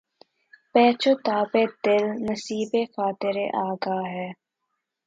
پیچ و تابِ دل نصیبِ خاطرِ آگاہ ہے